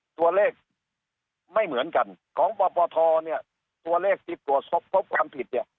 ตัวเลขไม่เหมือนกันของปปทเนี่ยตัวเลขที่ตรวจพบความผิดเนี่ย